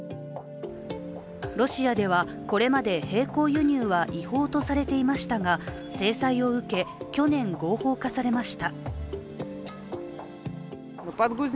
ロシアではこれまで並行輸入は違法とされていましたが、制裁を受け、去年、合法化されました。